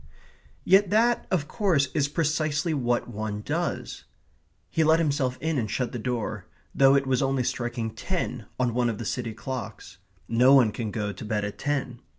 Yet that, of course, is precisely what one does. He let himself in and shut the door, though it was only striking ten on one of the city clocks. No one can go to bed at ten.